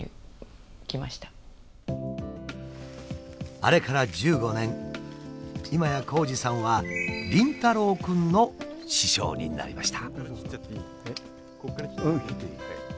あれから１５年今や紘二さんは凛太郎くんの師匠になりました。